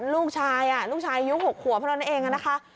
ลูกชายยุค๖ขัวพระนักเองนะคะ